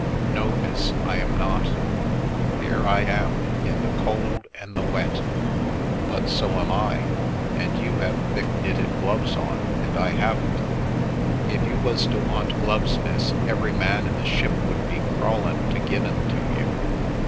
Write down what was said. " No, miss, I am not Here I am, in the cold and the wet " The Milky Way "But so am I. And you have thick knitted gloves on and I haven't." " If you was to want gloves, miss, every man in the ship would be crawlen' to give 'en to you.